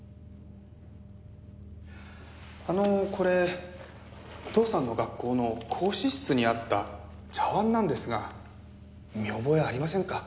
あのこれお父さんの学校の講師室にあった茶碗なんですが見覚えありませんか？